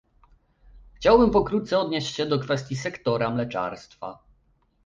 Chciałbym pokrótce odnieść się do kwestii sektora mleczarstwa